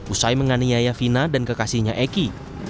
usai menganiaya vina dan kekasihnya eki